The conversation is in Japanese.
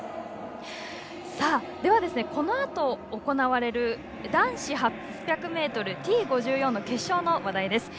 では、このあと行われる男子８００ｍＴ５４の決勝の話題です。